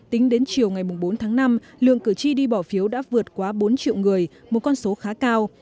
tính đến chiều ngày bốn tháng năm lượng cử tri đi bỏ phiếu đã vượt quá bốn triệu người một con số khá cao